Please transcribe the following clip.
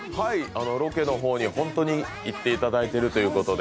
ロケの方に本当に行っていただいているということで。